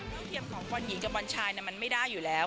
ว่าบวนหญิงกับบวนชายก็ไม่ได้อยู่แล้ว